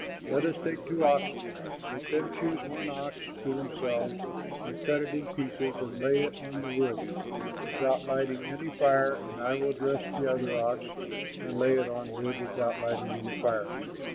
Let us take two oxen; let them choose one ox for themselves and cut it in pieces and lay it on the wood, without lighting any fire, and I will dress the other ox and lay it on wood, without lighting any fire.